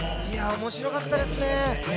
面白かったですね。